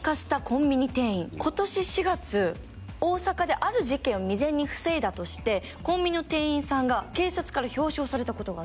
今年４月大阪である事件を未然に防いだとしてコンビニの店員さんが警察から表彰されたことがあったんです。